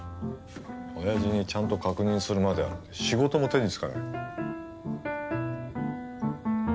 おやじにちゃんと確認するまでは仕事も手につかない。